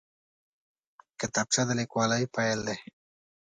کتابچه د لیکوالۍ پیل دی